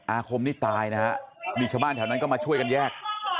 อาคมนี่ตายนะฮะมีชาวบ้านแถวนั้นก็มาช่วยกันแยก